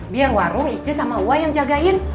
biar warung ije sama wak yang jagain